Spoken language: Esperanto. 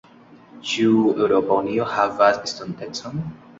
Ĉu Eŭropa Unio havas estontecon?